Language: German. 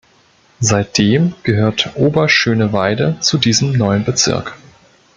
Seitdem gehört Oberschöneweide zu diesem neuen Bezirk.